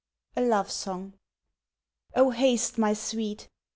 A LOVE SONG Oh haste, my Sweet!